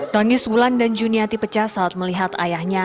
tangis wulan dan juniati pecah saat melihat ayahnya